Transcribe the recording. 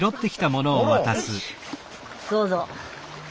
どうぞ。